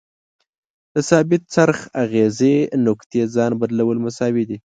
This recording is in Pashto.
د ثابت څرخ اغیزې نقطې ځای بدلول مساوي دي.